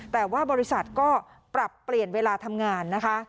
แต่ว่าบริษัทก็ปรับเปลี่ยนเวลาทำงานนะคะ